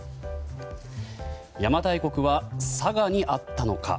邪馬台国は佐賀にあったのか。